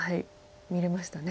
見れましたね。